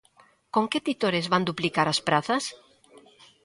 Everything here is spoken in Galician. ¿Con que titores van duplicar as prazas?